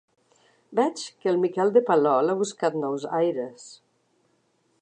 Veig que el Miquel de Palol ha buscat nous aires.